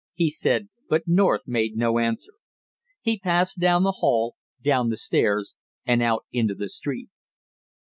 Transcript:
he said, but North made no answer. He passed down the hall, down the stairs, and out into the street.